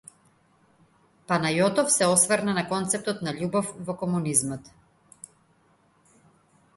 Панајотов се осврна на концептот на љубов во комунизмот.